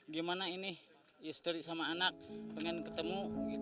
gimana ini istri sama anak pengen ketemu